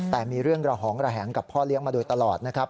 แต่มีเรื่องระหองระแหงกับพ่อเลี้ยงมาโดยตลอดนะครับ